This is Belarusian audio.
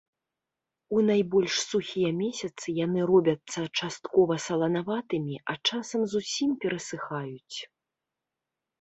У найбольш сухія месяцы яны робяцца часткова саланаватымі, а часам зусім перасыхаюць.